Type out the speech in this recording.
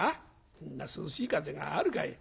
「そんな涼しい風があるかい」。